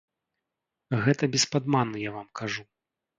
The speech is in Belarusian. Гэта без падману я вам кажу.